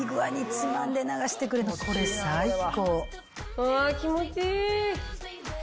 うわ気持ちいい。